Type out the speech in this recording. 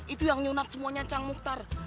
itu yang nyunat semuanya cang mukhtar